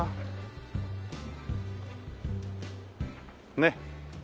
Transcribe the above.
ねっ。